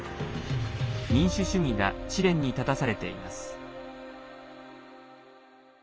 民主主義が試練に立たされています。